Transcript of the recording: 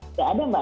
tidak ada mbak